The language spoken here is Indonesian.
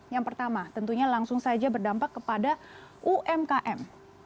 yang pertama tentunya langsung saja berdampak kepada umkm